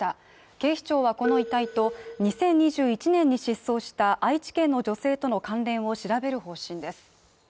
警視庁はこの遺体と２０２１年に失踪した愛知県の女性との関連を調べる方針です。